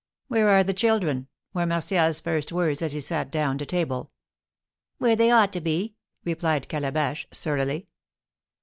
"Where are the children?" were Martial's first words, as he sat down to table. "Where they ought to be," replied Calabash, surlily.